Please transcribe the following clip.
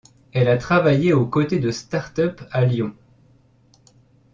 Elle a travaillé aux côtés de start-up à Lyon.